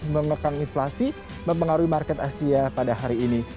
mengekang inflasi mempengaruhi market asia pada hari ini